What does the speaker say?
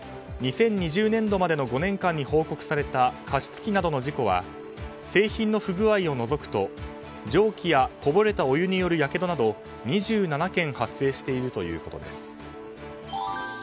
２０２０年度までの５年間に報告された、加湿器などの事故は製品の不具合を除くと蒸気やこぼれたお湯によるやけどなど、２７件が発生しているということです。